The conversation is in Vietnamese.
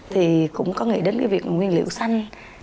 thì cũng có nghĩ đến cái việc nguyên liệu xanh